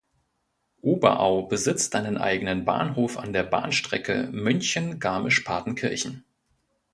Oberau besitzt einen eigenen Bahnhof an der Bahnstrecke München–Garmisch-Partenkirchen.